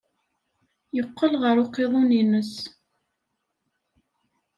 Yeqqel ɣer uqiḍun-nnes.